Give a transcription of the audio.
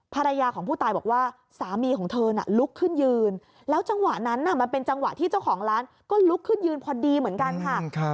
ภรรยาของผู้ตายบอกว่าสามีของเธอน่ะลุกขึ้นยืนแล้วจังหวะนั้นมันเป็นจังหวะที่เจ้าของร้านก็ลุกขึ้นยืนพอดีเหมือนกันค่ะ